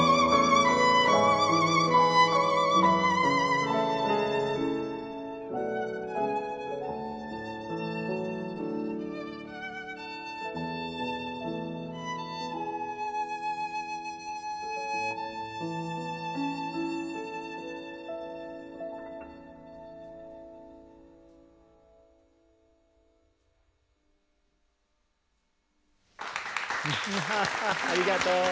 ありがとう。